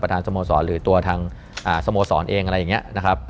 ทางสโมสรหรือตัวทางสโมสรเองอะไรอย่างนี้นะครับ